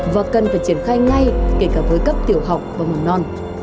và cần phải triển khai ngay kể cả với cấp tiểu học và mầm non